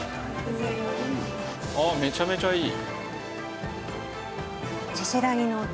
ああめちゃめちゃいい！